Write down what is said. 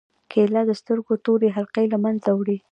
کېله د سترګو تور حلقې له منځه وړي.